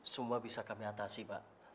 semua bisa kami atasi pak